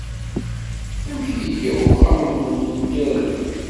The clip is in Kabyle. Amek ay iga uxxam-nwent n tirga?